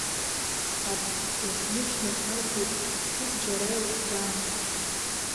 Аб ирхышьна кнылхит, шәик џьара илыхьӡама?!